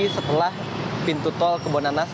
setelah pintu tol kebonanas